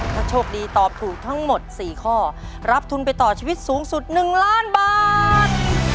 ถ้าโชคดีตอบถูกทั้งหมด๔ข้อรับทุนไปต่อชีวิตสูงสุด๑ล้านบาท